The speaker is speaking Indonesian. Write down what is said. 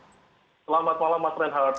selamat malam mas renhard